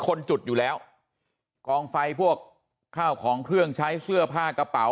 คนจุดอยู่แล้วกองไฟพวกข้าวของเครื่องใช้เสื้อผ้ากระเป๋า